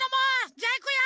じゃいくよ！